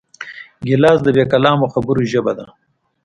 ګیلاس د بېکلامو خبرو ژبه ده.